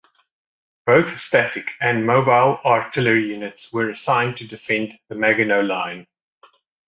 Both static and mobile artillery units were assigned to defend the Maginot Line.